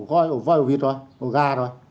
có ổ voi ổ vịt rồi ổ gà rồi